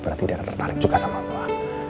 berarti dia tertarik juga sama buah